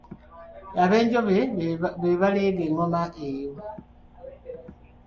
Abenjobe be baleega engoma eyo.